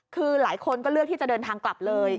คือหลายคนก็เลือกที่จะเดินทางกลับเลย